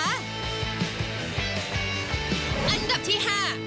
อันดับที่๕